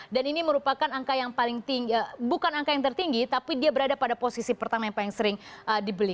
dan ini merupakan angka yang paling tinggi bukan angka yang tertinggi tapi dia berada pada posisi pertama yang paling sering dibeli